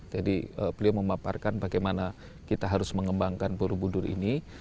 jadi beliau memaparkan bagaimana kita harus mengembangkan borobudur ini